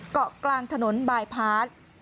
เกาะกลางถนนบายพาร์ท